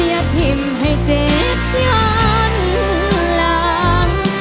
อย่าพิมพ์ให้เจ๊ย้อนหลัง